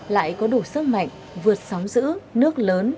lại có đủ sức mạnh vượt sóng giữ nước lớn